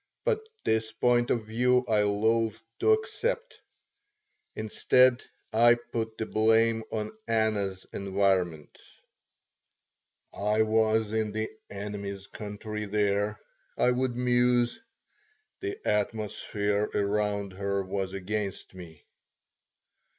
But this point of view I loathed to accept. Instead, I put the blame on Anna's environment. "I was in the 'enemy's country' there," I would muse. "The atmosphere around her was against me."